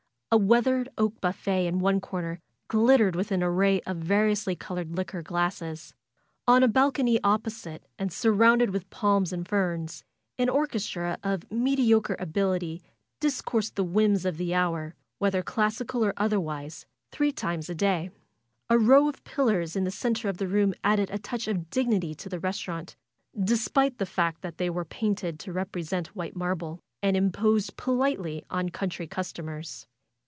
A weathered oak buffet in one corner glittered with an array of variously col ored liquor glasses. On a balcony opposite and sur 230 FAITH rounded with palms and ferns an orchestra of mediocre ability discoursed the whims of the hour, whether clas sical or otherwise, three times a day. A row of pillars in the center of the room added a touch of dignity to the restaurant, despite the fact that they were painted to represent white marble, and imposed politely on country customers.